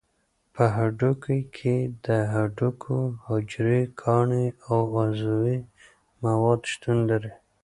په هډوکي کې د هډوکو حجرې، کاني او عضوي مواد شتون لري.